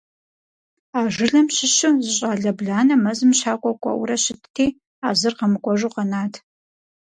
А жылэм щыщу зы щӀалэ бланэ мэзым щакӀуэ кӏуэурэ щытти, а зыр къэмыкӀуэжу къэнат.